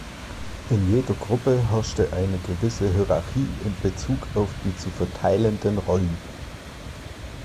In jeder Gruppe herrscht eine gewisse Hierarchie in Bezug auf die zu verteilenden Rollen.